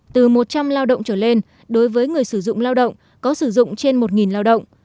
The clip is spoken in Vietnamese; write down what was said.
từ một trăm linh lao động trở lên đối với người sử dụng lao động có sử dụng trên một lao động